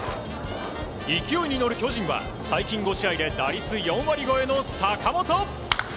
勢いに乗る巨人は最近５試合で打率４割超えの坂本。